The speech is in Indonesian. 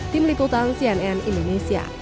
tim liputan cnn indonesia